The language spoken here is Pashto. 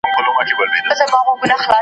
د پانوس تتي رڼا ته به شرنګی وي د پایلو .